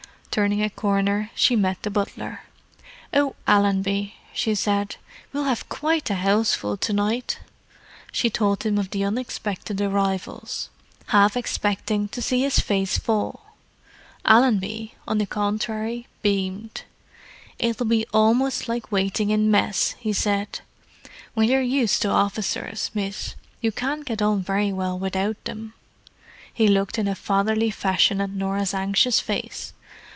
Turning a corner she met the butler. "Oh, Allenby," she said. "We'll have quite a houseful to night!" She told him of the expected arrivals, half expecting to see his face fall. Allenby, on the contrary, beamed. "It'll be almost like waiting in Mess!" he said. "When you're used to officers, miss, you can't get on very well without them." He looked in a fatherly fashion at Norah's anxious face.